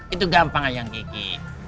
itu gampang yang kiki